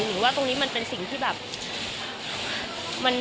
หรือว่าตรงนี้มันเป็นสิ่งที่แบบ